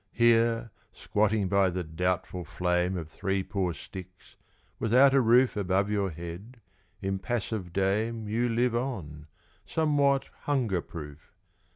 Here, squatting by the doubtful flame Of three poor sticks, without a roof Above your head, impassive dame You live on somewhat hunger proof.